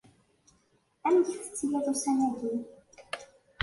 Amek tettiliḍ ussan-ayi?